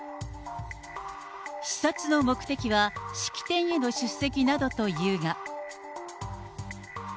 視察の目的は式典への出席などというが。